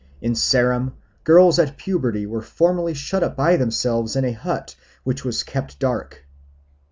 In Ceram girls at puberty were formerly shut up by themselves in a hut which was kept dark.